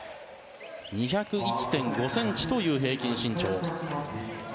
２０１．５ｃｍという平均身長。